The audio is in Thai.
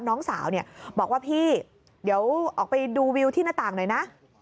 น้องสาวเนี่ยบอกว่าพี่เดี๋ยวออกไปดูวิวที่หน้าต่างหน่อยนะ